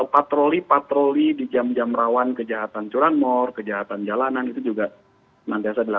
patroli patroli di jam jam rawan kejahatan curanmor kejahatan jalanan itu juga